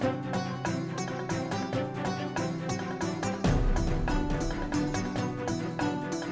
saya tak akan menang